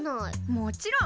もちろん！